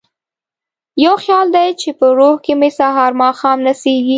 یو خیال دی چې په روح کې مې سهار ماښام نڅیږي